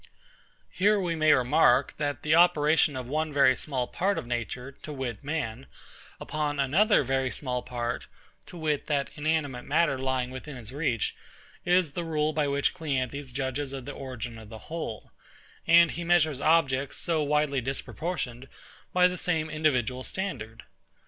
Here we may remark, that the operation of one very small part of nature, to wit man, upon another very small part, to wit that inanimate matter lying within his reach, is the rule by which CLEANTHES judges of the origin of the whole; and he measures objects, so widely disproportioned, by the same individual standard.